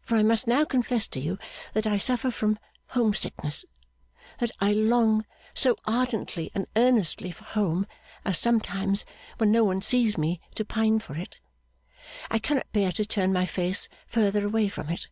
For I must now confess to you that I suffer from home sickness that I long so ardently and earnestly for home, as sometimes, when no one sees me, to pine for it. I cannot bear to turn my face further away from it.